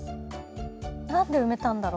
何で埋めたんだろう。